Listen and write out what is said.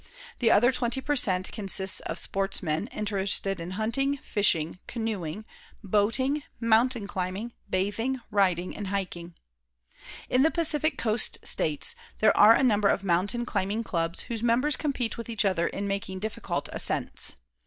The other twenty per cent. consists of sportsmen interested in hunting, fishing, canoeing, boating, mountain climbing, bathing, riding and hiking. In the Pacific Coast States there are a number of mountain climbing clubs whose members compete with each other in making difficult ascents.